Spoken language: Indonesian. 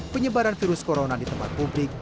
penyebaran virus corona di tempat publik